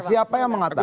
siapa yang mengatakan